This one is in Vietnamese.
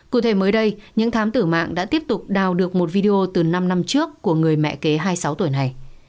cụ thể mới đây những thám tử mạng đã tiếp tục đào được một video từ năm năm trước của người mẹ kế hai mươi sáu tuổi này